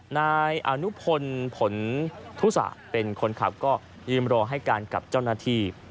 นายอนุพลผลทุศะเป็นคนขับก็ยืมรอให้การกับเจ้าหน้าที่